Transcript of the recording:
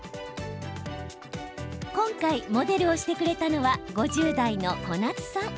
今回、モデルをしてくれたのは５０代の小夏さん。